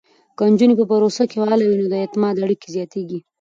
که نجونې په پروژو کې فعاله وي، نو د اعتماد اړیکې زیاتېږي.